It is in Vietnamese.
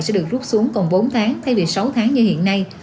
sẽ được rút xuống còn bốn tháng thay vì sáu tháng như hiện nay